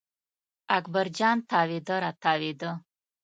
اکبر جان تاوېده را تاوېده.